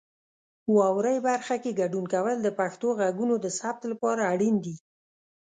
واورئ برخه کې ګډون کول د پښتو غږونو د ثبت لپاره اړین دي.